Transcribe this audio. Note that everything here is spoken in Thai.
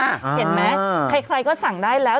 เห็นไหมใครก็สั่งได้แล้ว